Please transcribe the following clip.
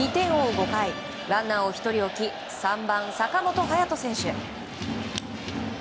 ５回ランナーを１人置き３番、坂本勇人選手。